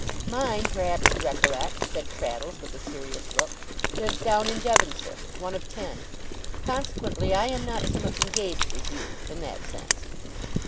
'Mine, perhaps you recollect,' said Traddles, with a serious look, 'lives down in Devonshire one of ten. Consequently, I am not so much engaged as you in that sense.